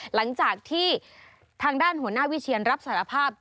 หลังจากที่ทางด้านหัวหน้าวิเชียนรับสารภาพ